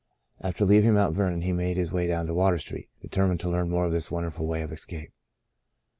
After leaving Mount Vernon he made his way down to Water Street, determined to learn more of this wonderful way of escape.